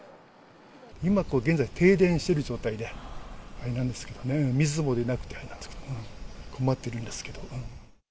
今現在、停電している状態で、あれなんですけどね、水も出なくて困ってるんですけど。